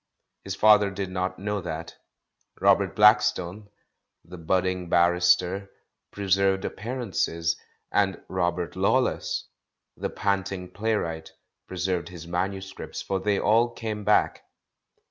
His father did not know that. Robert Blackstone, the budding barrister, preserved appearances; and Robert Lawless, the panting playwright, preserved his manuscripts — for they all came back.